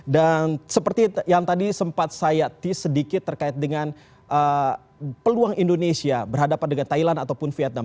dan seperti yang tadi sempat saya tease sedikit terkait dengan peluang indonesia berhadapan dengan thailand ataupun vietnam